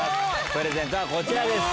プレゼントはこちらです。